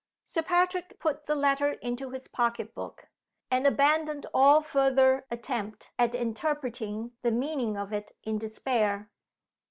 Sir Patrick put the letter into his pocket book, and abandoned all further attempt at interpreting the meaning of it in despair.